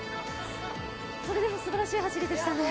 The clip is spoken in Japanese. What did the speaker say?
それでも、すばらしい走りでしたね。